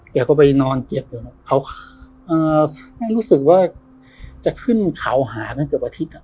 แกก็ไปนอนเจ็บเขาอ่ารู้สึกว่าจะขึ้นเขาหาเกือบอาทิตย์อ่ะ